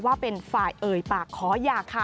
ว่าเป็นฝ่ายเอ่ยปากขอหย่าค่ะ